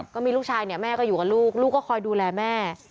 ก็มีลูกชายเนี่ยแม่ก็อยู่กับลูกลูกก็คอยดูแลแม่